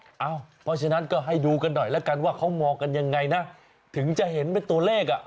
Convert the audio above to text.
เพราะฉะนั้นก็ให้ดูกันหน่อยแล้วกันว่าเขามองกันยังไงนะถึงจะเห็นเป็นตัวเลขอ่ะ